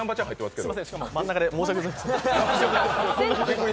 すみません、勝手に真ん中で申し訳ありません。